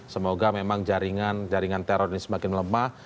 semoga memang jaringan teror ini semakin melemah